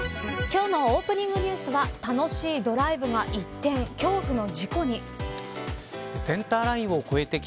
今日のオープニングニュースは楽しいドライブが一転恐怖の事故に。